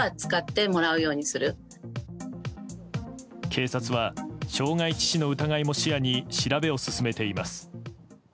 警察は傷害致死の疑いも視野に調べを進めています。